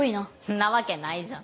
んなわけないじゃん。